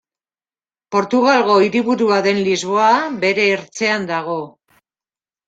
Portugalgo hiriburua den Lisboa, bere ertzean dago.